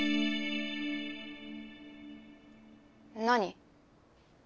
何？